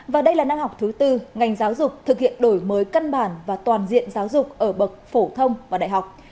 và đây là năm học thứ tư ngành giáo dục thực hiện đổi mới căn bản và toàn diện giáo dục ở bậc phổ thông và đại học